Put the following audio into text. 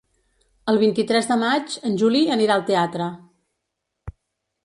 El vint-i-tres de maig en Juli anirà al teatre.